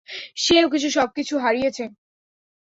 সে-ও সবকিছু হারিয়েছে।